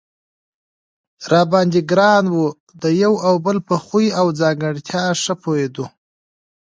را باندې ګران و، د یو او بل په خوی او ځانګړتیا ښه پوهېدو.